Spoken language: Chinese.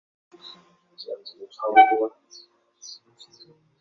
他也担任过英国农业大臣。